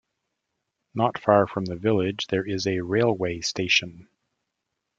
Not far from the village there is a railway station.